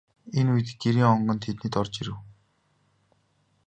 Энэ үед Гэрийн онгон тэднийд орж ирэв.